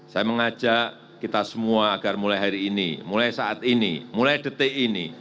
saya mengajak kita semua agar mulai hari ini mulai saat ini mulai detik ini